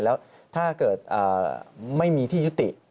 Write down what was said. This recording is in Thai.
แล้วถ้าเกิดไม่มีที่ยุติ